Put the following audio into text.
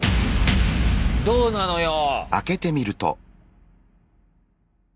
どうなのよ？